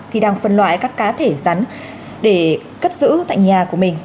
khi đang phân loại các cá thể rắn để cất giữ tại nhà của mình